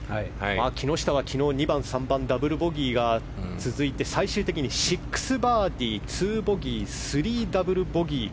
木下は昨日２番、３番でダブルボギーが続いて最終的に６バーディー２ボギー３ダブルボギー。